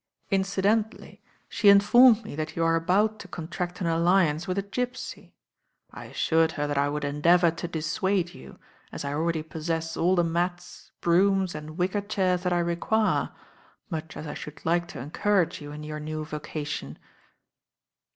"Incidentally she informed me that you are about to contract an alliance with a gipsy. I assured her that I would endeavour to dissuade you, as I already possess all the mats, brooms and wicker chairs that I require, much as I should like to encourage you in your new vocation."